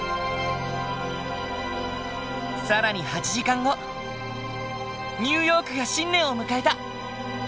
更に８時間後ニューヨークが新年を迎えた！